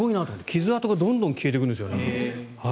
傷痕がどんどん消えていくんです。